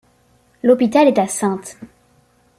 L'hôpital est à Saintes.